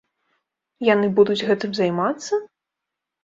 Яны будуць гэтым займацца?!